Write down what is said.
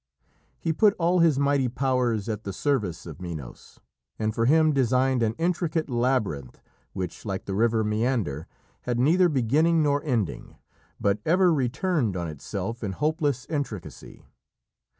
He put all his mighty powers at the service of Minos, and for him designed an intricate labyrinth which, like the river Meander, had neither beginning nor ending, but ever returned on itself in hopeless intricacy.